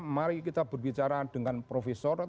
mari kita berbicara dengan profesor